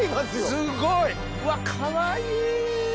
うわっかわいい！